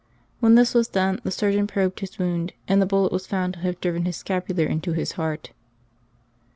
When this was done, the surgeon probed his wound, and the bullet was found to have driven his scapular into his heart.